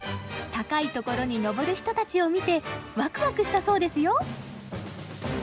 高いところにのぼる人たちを見てワクワクしたそうですよ。